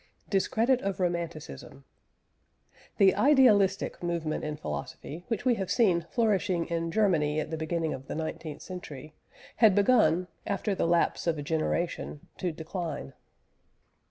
DISCREDIT OF ROMANTICISM. The Idealistic movement in philosophy which we have seen flourishing in Germany at the beginning of the nineteenth century, had begun, after the lapse of a generation, to decline.